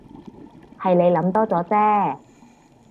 係你諗多咗啫